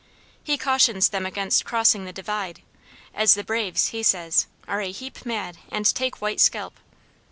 He cautions them against crossing the divide, as the braves, he says, are "a heap mad, and take white scalp."